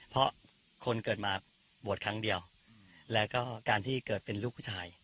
เพราะคนเกิดมาบวชครั้งเดียวแล้วก็การที่เกิดเป็นลูกผู้ชาย